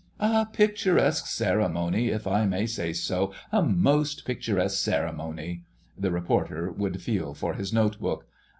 "A picturesque ceremony—if I may say so. A most picturesque ceremony." The reporter would feel for his notebook.